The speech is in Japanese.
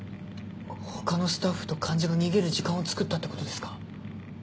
他のスタッフと患者が逃げる時間をつくったってことですか？